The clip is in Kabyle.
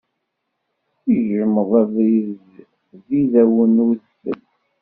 Yejmeḍ abrid did awen udfel.